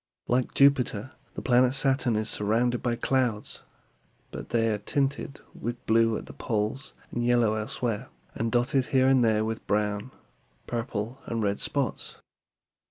Like Jupiter, the planet Saturn is surrounded by clouds; but they are tinted with blue at the poles, yellow elsewhere, and dotted here and there with brown; purple, and red spots.